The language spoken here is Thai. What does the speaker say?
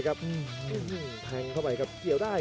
กันต่อแพทย์จินดอร์